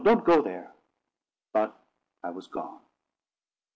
Don't go there!" But I was gone.